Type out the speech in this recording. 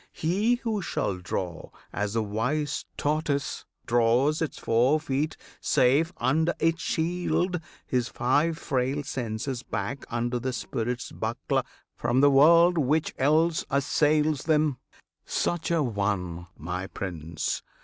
He who shall draw As the wise tortoise draws its four feet safe Under its shield, his five frail senses back Under the spirit's buckler from the world Which else assails them, such an one, my Prince!